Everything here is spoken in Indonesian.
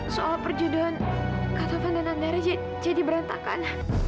soal perjodohan kak taufan dan andara jadi berantakan